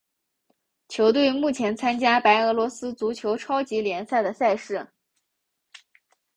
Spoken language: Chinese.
球队目前参加白俄罗斯足球超级联赛的赛事。